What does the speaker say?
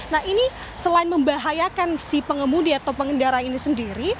nah ini selain membahayakan si pengemudi atau pengendara ini sendiri